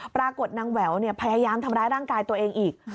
ปรากฏนางแหววพยายามทำร้ายร่างกายตัวเองอีก